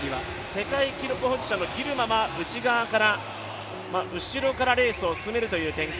世界記録保持者のギルマは内側から、後ろからレースを進める展開。